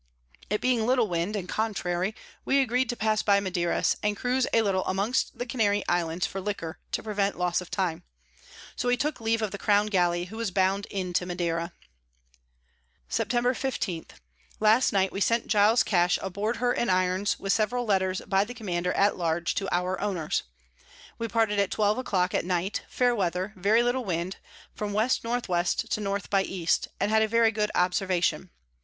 It being little Wind, and contrary, we agreed to pass by Maderas, and cruise a little amongst the Canary Islands for Liquor, to prevent Loss of time: So we took leave of the Crown Galley, who was bound into Madera. Sept. 15. Last night we sent Giles Cash aboard her in Irons, with several Letters by the Commander at large to our Owners. We parted at twelve a Clock at night. Fair Weather, very little Wind from W N W. to N by E. had a very good Observation.